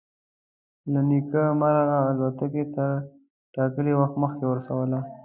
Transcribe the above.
له نیکه مرغه الوتکې تر ټاکلي وخت مخکې ورسولو.